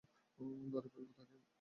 ধরে ফেলব তাকে।